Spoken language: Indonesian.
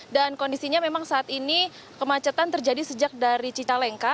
kondisinya memang saat ini kemacetan terjadi sejak dari cicalengka